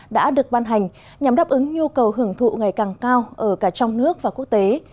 đã được ban hành nhằm đáp ứng nhu cầu hưởng thụ ngày càng cao ở cả trong nước và quốc tế